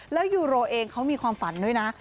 แล้วยูโรเองเขามีความฝันด้วยนะ